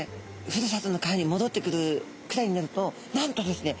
ふるさとの川にもどってくるくらいになるとなんとですね